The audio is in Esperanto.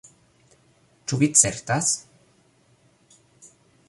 Ĉu vi certas?